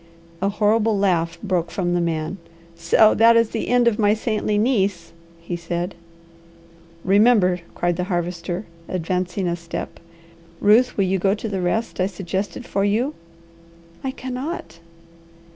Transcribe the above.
A horrible laugh broke from the man. "So that is the end of my saintly niece!" he said. "Remember!" cried the Harvester advancing a step. "Ruth, will you go to the rest I suggested for you?" "I cannot."